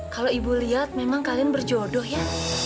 kalo ibu liat memang kalian berjodoh ya